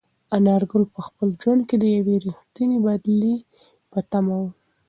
انارګل په خپل ژوند کې د یوې رښتینې بدلې په تمه و.